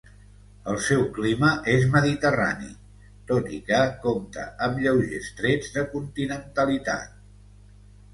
El seu clima és mediterrani, tot i que compta amb lleugers trets de continentalitat.